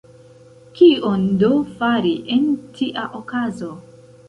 Kion do fari en tia okazo?